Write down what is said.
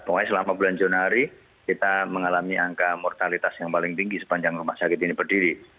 pokoknya selama bulan januari kita mengalami angka mortalitas yang paling tinggi sepanjang rumah sakit ini berdiri